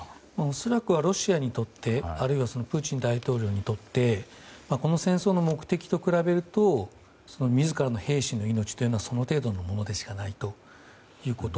恐らくロシアにとってあるいはプーチン大統領にとってこの戦争の目的と比べると自らの兵士の命というのはその程度のものでしかないということ。